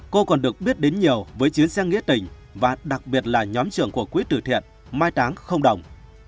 cô còn được biết đến nhiều với chiến xe nghĩa tình và đặc biệt là nhóm trưởng của quỹ tử thiện mai táng không đồng